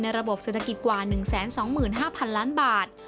ระบบเศรษฐกิจกว่า๑๒๕๐๐๐ล้านบาท